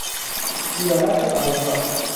ایالت آیوا